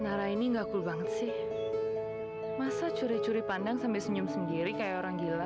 nara ini enggak cool banget sih masa curi curi pandang sampai senyum sendiri kayak orang gila